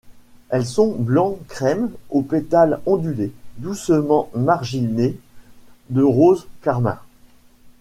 Elles sont blanc-crème aux pétales ondulés doucement marginés de rose carmin.